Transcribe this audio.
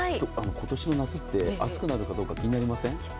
今年の夏って、暑くなるかどうか気になりません？